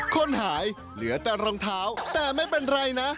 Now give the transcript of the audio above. คนหายเหลือแต่รองเท้าแต่ไม่เป็นไรนะ